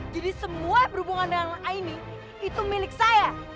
jadi semua perhubungan dengan aini itu milik saya